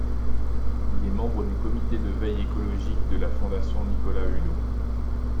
Il est membre du comité de veille écologique de la Fondation Nicolas Hulot.